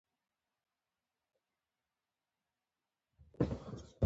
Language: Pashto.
عطرونه د بدن حرارت سره خپل بوی بدلوي.